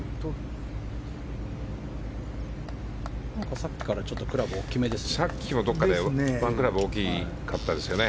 さっきからクラブ大きめですね。